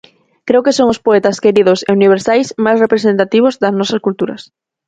Creo que son os poetas queridos e universais máis representativos das nosas culturas.